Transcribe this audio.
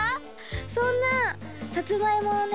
そんなさつまいもをね